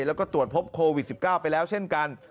แล้วก็ตรวจพบโควิด๑๙ไปแล้วเช่นกัน